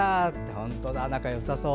本当だ仲よさそう。